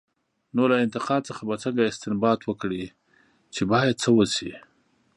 نو له انتقاد څخه به څنګه استنباط وکړي، چې باید څه وشي؟